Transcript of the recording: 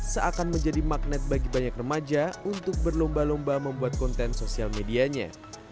seakan menjadi magnet bagi banyak remaja untuk berlomba lomba membuat konten sosial medianya